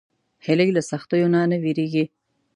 هیلۍ له سختیو نه نه وېرېږي